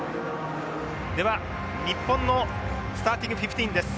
では日本のスターティングフィフティーンです。